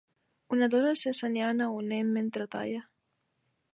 Una dona està ensenyant a un nen mentre talla.